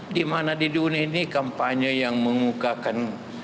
di mana di dunia ini kampanye yang mengungkapkan